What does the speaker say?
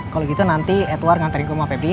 kalau gitu nanti edward ngantri ke rumah febri ya